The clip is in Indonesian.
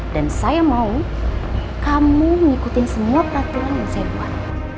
dan saya mau kamu ngikutin semua peraturan yang saya buat